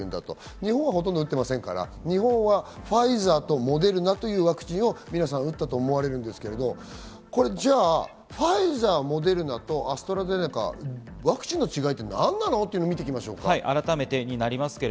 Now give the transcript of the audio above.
日本はほとんど打ってませんから、日本はファイザーとモデルナというワクチンを皆さん打ったと思われるんですけど、じゃあファイザー、モデルナと、アストラゼネカ、ワクチンの違いって何なのというのを見ていきましょう。